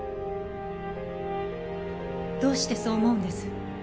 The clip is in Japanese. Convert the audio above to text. どうしてそう思うんです？